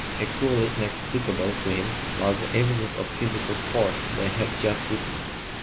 Equally inexplicable to him was the evidence of physical force they had just witnessed.